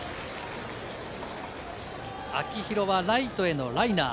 秋広はライトへのライナー。